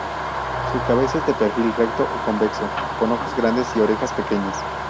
Su cabeza es de perfil recto o convexo, con ojos grandes y orejas pequeñas.